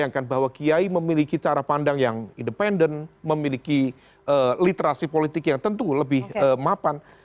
sayangkan bahwa kiai memiliki cara pandang yang independen memiliki literasi politik yang tentu lebih mapan